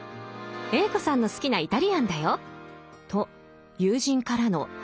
Ａ子さんの好きなイタリアンだよ」と友人からの甘い誘惑。